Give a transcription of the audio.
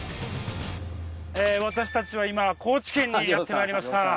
私たちは今高知県にやってまいりました。